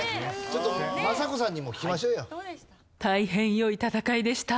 ちょっと政子さんにも聞きましょうよ。